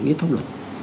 những thông luận